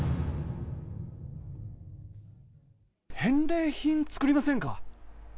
返礼品、作りませんか？